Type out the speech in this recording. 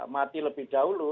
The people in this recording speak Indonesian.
mati lebih dahulu